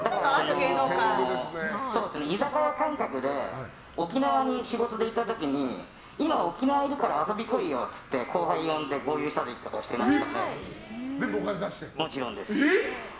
居酒屋感覚で沖縄に仕事で行った時に今、沖縄にいるから遊び来いよって言って後輩呼んで全部お金出して？